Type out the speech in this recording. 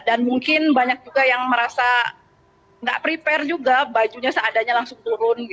dan mungkin banyak juga yang merasa tidak siap juga bajunya seadanya langsung turun